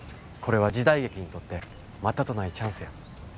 これは時代劇にとってまたとないチャンスや。